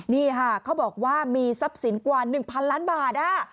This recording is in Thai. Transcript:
นี่ค่ะเขาบอกว่ามีทรัพย์สินกว่า๑๐๐ล้านบาท